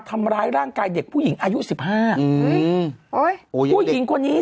ทำร้ายร่างกายเด็กผู้หญิงอายุสิบห้าอืมโอ้ยอุ้ยผู้หญิงคนนี้